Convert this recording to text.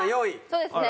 そうですね。